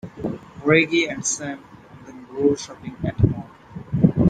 Reggie and Sam then go shopping at a mall.